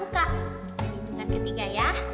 di lingkungan ketiga ya